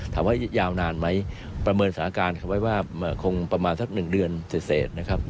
ถามว่ายาวนานไหมประเมินสถานการณ์เขาไว้ว่าคงประมาณสัก๑เดือนเสร็จนะครับ